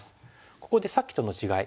ここでさっきとの違い。